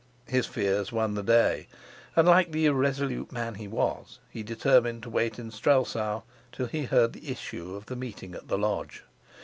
His fears won the day, and, like the irresolute man he was, he determined to wait in Strelsau till he heard the issue of the meeting at the lodge.